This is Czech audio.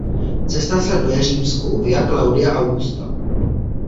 Cesta sleduje římskou Via Claudia Augusta.